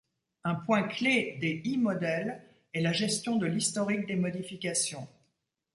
Un point clé des i-modèles est la gestion de l'historique des modifications.